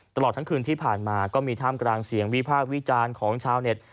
ตลอดทั้งคืนที่ผ่านมาก็มีท่ามกลางเสียงวิพากษ์วิจารณ์ของชาวเน็ต